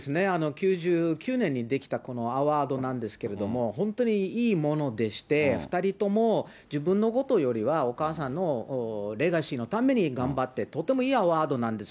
９９年にできたこのアワードなんですけども、本当にいいものでして、２人とも自分のことよりは、お母さんのレガシーのために頑張って、とてもいいアワードなんです。